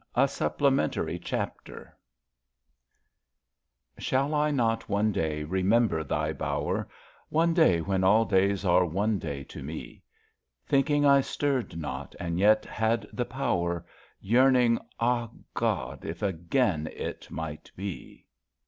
A STJPPLEMENTAEY CHAPTEE Shall I not one day remember thy Bower— One day when all days are one day to me? Thinking I stirred not and yet had the power. Yearning — ah> God, if again it might be!